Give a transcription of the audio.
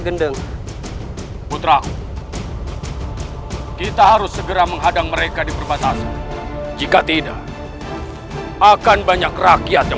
gendeng putra kita harus segera menghadang mereka di perbatasan jika tidak akan banyak rakyat yang